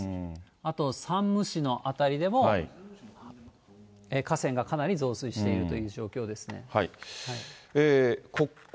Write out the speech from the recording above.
あと山武市の辺りでも河川がかなり増水しているという状況ですね。